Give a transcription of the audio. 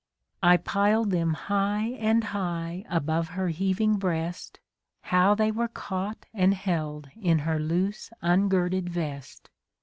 I piled them high and high above her heaving breast, How they were caught and held in her loose ungirded vest